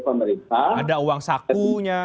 pemerintah ada uang sakunya